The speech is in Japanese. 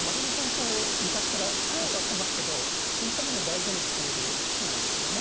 こう昔から教わってますけどそういったものを大事にされる棋士なんですよね。